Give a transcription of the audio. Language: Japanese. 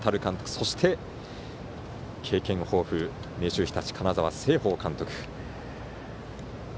そして、経験豊富明秀日立、金沢成奉監督。